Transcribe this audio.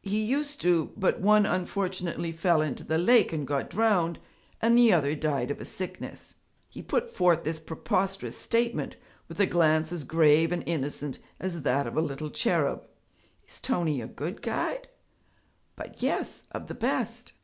'He used to, but one unfortunately fell into the lake and got drowned, and the other died of a sickness.' He put forth this preposterous statement with a glance as grave and innocent as that of a little cherub. 'Is Tony a good guide?' 'But yes, of the best!'